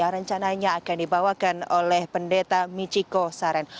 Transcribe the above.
rencananya akan dibawakan oleh pendeta michiko saren